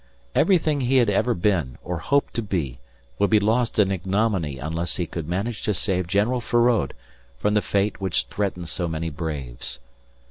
Everything he had ever been or hoped to be would be lost in ignominy unless he could manage to save General Feraud from the fate which threatened so many braves.